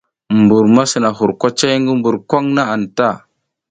Mbur ma sina hur kwacay ngi mbur kwaŋ na anta.